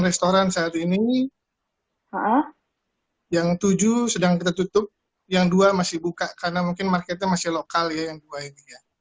restoran saat ini yang tujuh sedang kita tutup yang dua masih buka karena mungkin marketnya masih lokal ya yang dua ini ya